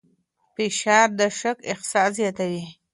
فشار د شک احساس زیاتوي.